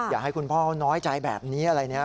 อย่าให้คุณพ่อน้อยใจแบบนี้อะไรนะ